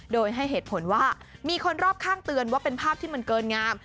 โดยให้เหตุผลว่ามีคนรอบข้างเตือนว่าเป็นภาพที่มันเกินงาม